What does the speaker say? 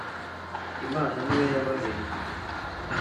imana ni yo yabaremye.